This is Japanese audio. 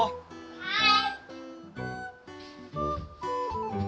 はい。